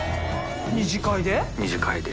２次会で。